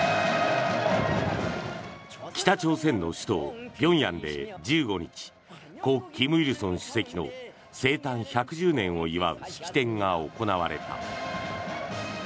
北朝鮮の首都・平壌で１５日故・金日成主席の生誕１１０年を祝う式典が行われた。